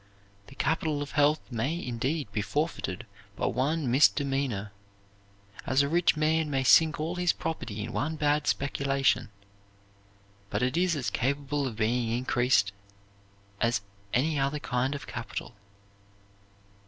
The capital of health may, indeed, be forfeited by one misdemeanor, as a rich man may sink all his property in one bad speculation; but it is as capable of being increased as any other kind of capital.